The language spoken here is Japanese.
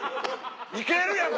行けるやん